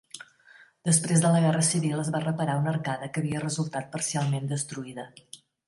Després de la Guerra Civil es va reparar una arcada que havia resultat parcialment destruïda.